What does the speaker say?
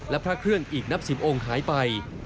และพระเครื่องอีกนับ๑๐องค์หายไป